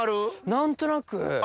何となく。